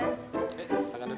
oke tangan duduk